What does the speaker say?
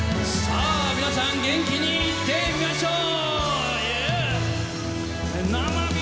さあ、皆さん元気にいってみましょう！